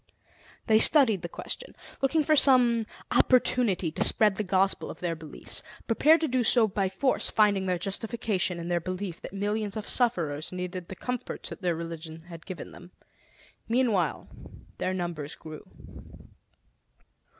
They studied the question, looking for some opportunity to spread the gospel of their beliefs, prepared to do so by force, finding their justification in their belief that millions of sufferers needed the comforts that their religion had given them. Meanwhile their numbers grew.